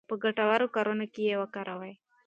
په ګټورو کارونو کې یې وکاروو.